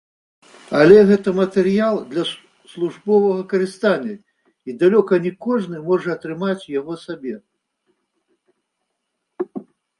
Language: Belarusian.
Але гэта матэрыял для службовага карыстання і далёка не кожны можа атрымаць яго сабе.